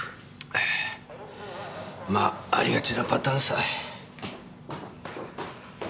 まあありがちなパターンさ。